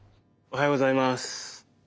おはようございます。